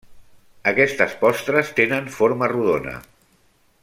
Aquestes postres tenen forma rodona.